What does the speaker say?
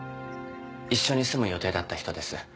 一緒に住む予定だった人です。